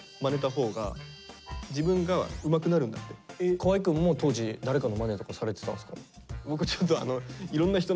河合くんも当時誰かのマネとかされてたんですか？